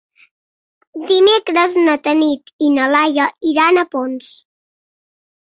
Dimecres na Tanit i na Laia iran a Ponts.